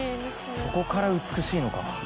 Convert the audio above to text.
そこから美しいのか。